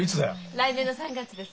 来年の３月です。